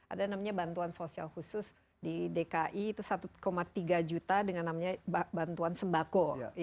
ada namanya bantuan sosial khusus di dki itu satu tiga juta dengan namanya bantuan sembako